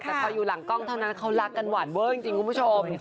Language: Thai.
แต่พออยู่หลังกล้องเท่านั้นเขารักกันหวานเวอร์จริงคุณผู้ชม